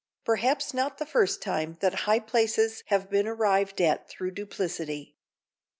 Perhaps not the first time that high places have been arrived at through duplicity.